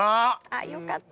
よかった。